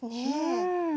うん。